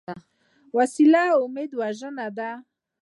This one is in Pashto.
وسله امید وژنه ده